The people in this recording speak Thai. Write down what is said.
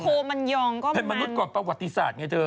โคมันยองก็เป็นมนุษย์ก่อนประวัติศาสตร์ไงเธอ